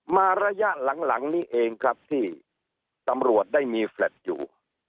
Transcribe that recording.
ระยะหลังนี้เองครับที่ตำรวจได้มีแฟลต์อยู่